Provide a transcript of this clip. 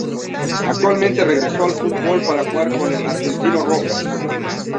Actualmente regresó al fútbol para jugar en el Argentino Rojas